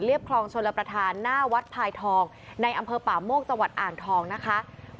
คลองชลประธานหน้าวัดพายทองในอำเภอป่าโมกจังหวัดอ่างทองนะคะ